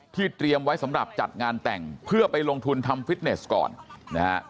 เตรียมไว้สำหรับจัดงานแต่งเพื่อไปลงทุนทำฟิตเนสก่อนนะฮะ